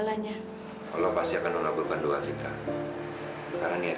sampai jumpa di video selanjutnya